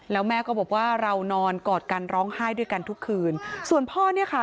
แล้วแม่ก็บอกว่าเรานอนกอดกันร้องไห้ด้วยกันทุกคืนส่วนพ่อเนี่ยค่ะ